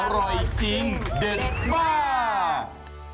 อร่อยจริงเด็ดมาก